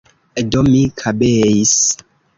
Do, mi kabeis.